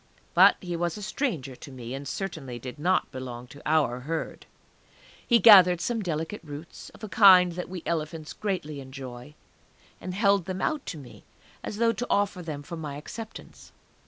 But he was a stranger to me, and certainly did not belong to our Herd. He gathered some delicate roots, of a kind that we elephants greatly enjoy, and held them out to me, as though to offer them for my acceptance.